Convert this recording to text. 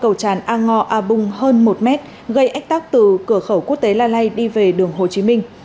cầu tràn a ngo a bung hơn một m gây ách tác từ cờ khẩu quốc tế la lây đi về đường hồ chí minh